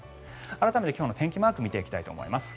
改めて今日の天気マークを見ていきたいと思います。